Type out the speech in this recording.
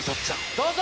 どうぞ！